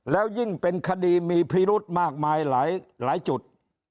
แล้วยิ่งเป็นคดีมีพิรุธมากมายหลายจุด